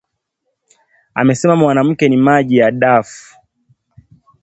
Anasema Mwanamke ni maji ya dafu